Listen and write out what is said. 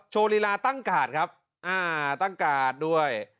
โชว์ลีลาตั้งกาดครับตั้งกาดด้วย